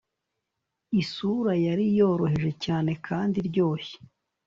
isura yari yoroheje cyane kandi iryoshye